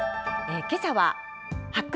けさは発掘！